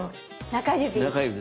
中指。